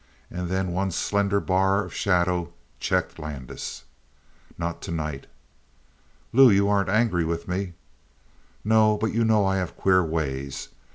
And then one slender bar of shadow checked Landis. "Not tonight." "Lou, you aren't angry with me?" "No. But you know I have queer ways.